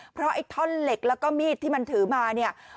เพราะไอ้ท่อนเหล็กแล้วก็มีดที่มันถือมาเนี่ย